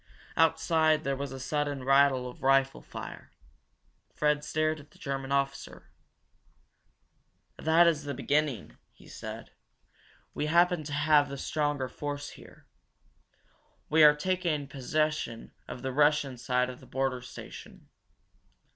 Outside there was a sudden rattle of rifle fire. Fred stared at the German officer. "That is the beginning," he said. "We happen to have the stronger force here. We are taking possession of the Russian side of the border station!